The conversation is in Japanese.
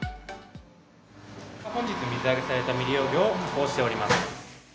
本日水揚げされた未利用魚を加工しております。